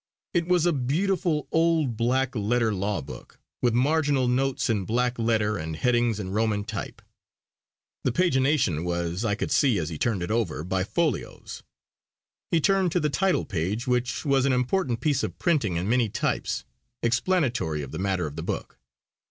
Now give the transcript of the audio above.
It was a beautiful, old black letter law book, with marginal notes in black letter and headings in roman type. The pagination was, I could see as he turned it over, by folios. He turned to the title page, which was an important piece of printing in many types, explanatory of the matter of the book.